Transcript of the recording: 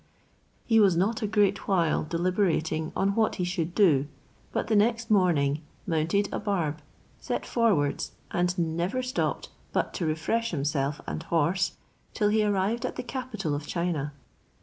He was not a great while deliberating on what he should do, but the next morning mounted a barb, set forwards, and never stopped but to refresh himself and horse, till he arrived at the capital of China.